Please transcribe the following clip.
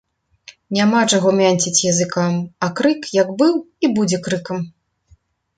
Няма чаго мянціць языкам, а крык, як быў, і будзе крыкам